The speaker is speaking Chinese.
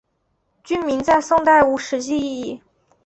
郡名在宋代无实际意义。